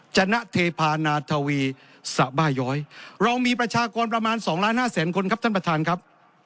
จณะเทพานาทวีสบายอยเรามีประชากรประมาณ๒๕๐๐๐๐๐คนครับท่านประธานครับ